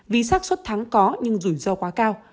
vì sát suất thắng có nhưng rủi ro quá cao